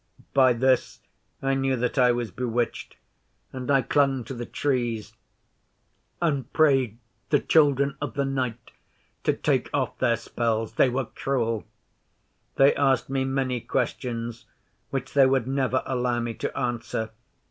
By this I knew that I was bewitched, and I clung to the Trees, and prayed the Children of the Night to take off their spells. They were cruel. They asked me many questions which they would never allow me to answer.